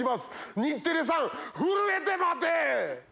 日テレさん震えて待て！